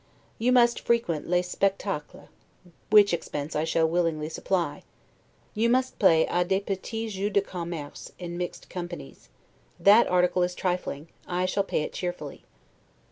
You must frequent 'les spectacles', which expense I shall willingly supply. You must play 'a des petits jeux de commerce' in mixed companies; that article is trifling; I shall pay it cheerfully.